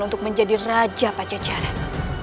untuk menjadi raja pajacaran